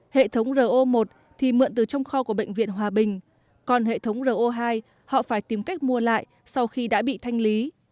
hệ thống ro một thì mượn từ trong kho của bệnh viện hòa bình còn hệ thống ro hai họ phải tìm cách mua lại sau khi đã bị thanh lý